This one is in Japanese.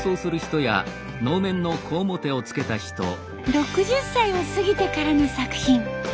６０歳を過ぎてからの作品。